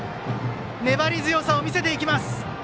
粘り強さを見せていきます。